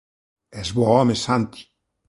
Es bo home, Santi.